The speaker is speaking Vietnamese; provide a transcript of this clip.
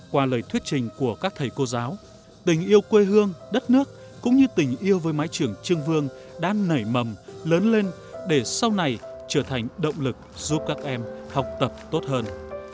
qua lời thuyết trình của các thầy cô giáo tình yêu quê hương đất nước cũng như tình yêu với mái trường trương vương đã nảy mầm lớn lên để sau này trở thành động lực giúp các em học tập tốt hơn